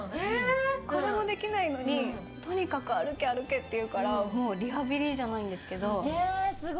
これもできないのにとにかく歩け歩けって言うからリハビリじゃないんですけど。